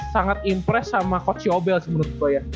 sangat impress sama coach yobel sih menurut gue